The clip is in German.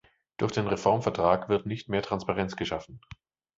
Durch den Reformvertrag wird nicht mehr Transparenz geschaffen.